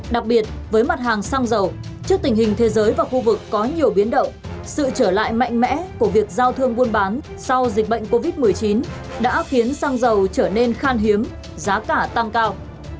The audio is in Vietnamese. đặc biệt với mặt hàng xăng dầu trước tình hình thế giới và khu vực có nhiều biến động sự trở lại mạnh mẽ của việc giao thương buôn bán sau dịch bệnh covid một mươi chín đã khiến xăng dầu trở nên khan hiếm giá cả tăng cao